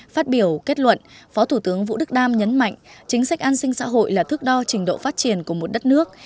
phát biểu kết luận phó thủ tướng vũ đức đam nhấn mạnh chính sách an sinh xã hội là thước đo trình độ phát triển của một đất nước